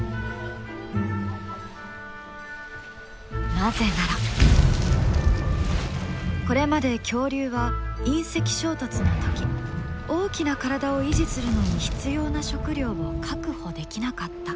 なぜならこれまで恐竜は隕石衝突の時大きな体を維持するのに必要な食料を確保できなかった。